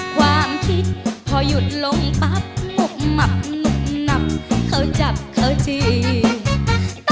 ความคิดพอหลุดลงปั๊บหมุกหมับหนุกหนับเพราะจับเขาจริง